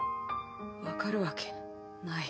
分かるわけない。